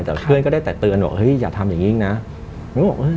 แต่เพื่อนก็ได้แต่เตือนบอกอย่าทำอย่างนี้ดีกว่านะ